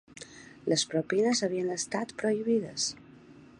Les propines havien estat prohibides